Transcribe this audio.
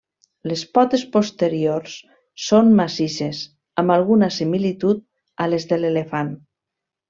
Les potes posteriors són massisses, amb alguna similitud a les de l'elefant.